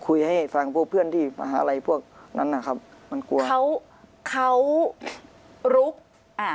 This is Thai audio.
ให้ฟังพวกเพื่อนที่มหาลัยพวกนั้นนะครับมันกลัวเขาเขาลุกอ่า